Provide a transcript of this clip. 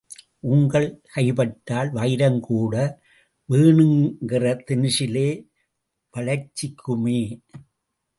உங்கள் கைப்பட்டால் வைரம் கூட வேணுங்கற தினுசிலே வளைஞ்சிக்குமே!